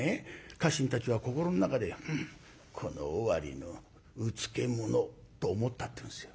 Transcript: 家臣たちは心の中で「この尾張のうつけ者」と思ったっていうんですよ。